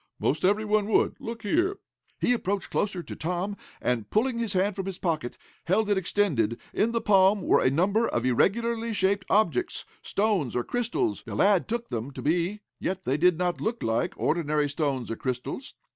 Most every one would. Look here!" He approached closer to Tom, and, pulling his hand from his pocket, held it extended, in the palm were a number of irregularly shaped objects stones or crystals the lad took them to be, yet they did not look like ordinary stones or crystals.